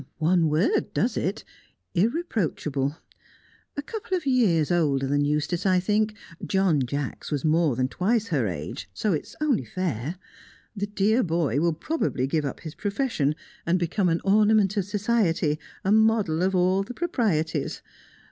"One word does it irreproachable. A couple of years older than Eustace, I think; John Jacks was more than twice her age, so it's only fair. The dear boy will probably give up his profession, and become an ornament of society, a model of all the proprieties.